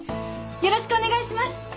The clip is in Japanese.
よろしくお願いします。